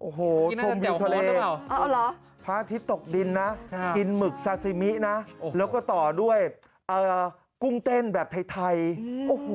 โอ้โหชมวิวทะเลพระอาทิตย์ตกดินนะกินหมึกซาซิมินะแล้วก็ต่อด้วยกุ้งเต้นแบบไทยโอ้โห